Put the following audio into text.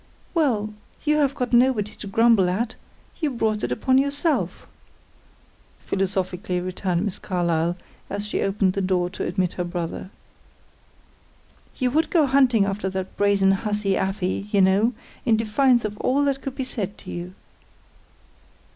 "Well, you have got nobody to grumble at; you brought it upon yourself," philosophically returned Miss Carlyle, as she opened the door to admit her brother. "You would go hunting after that brazen hussy, Afy, you know, in defiance of all that could be said to you."